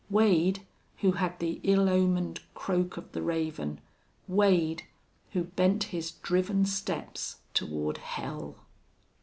Wade who had the ill omened croak of the raven Wade who bent his driven steps toward hell!